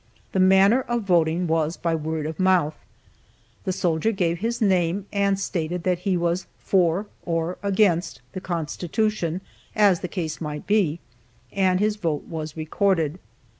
The manner of voting was by word of mouth, the soldier gave his name, and stated that he was "For" or "Against" the constitution, as the case might be, and his vote was recorded.